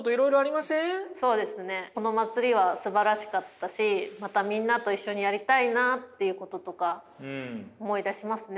この祭りはすばらしかったしまたみんなと一緒にやりたいなっていうこととか思い出しますね。